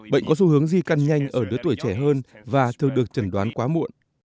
bệnh có xu hướng di căn nhanh ở đứa tuổi trẻ hơn và thường được chẩn đoán quá muộn